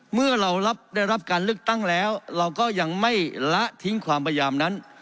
เมื่อเราได้รับการเลือกตั้งแล้วเราก็ยังไม่ละทิ้งความพยายามนั้น